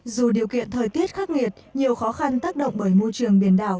dù điều kiện thời tiết khắc nghiệt nhiều khó khăn tác động bởi môi trường biển đảo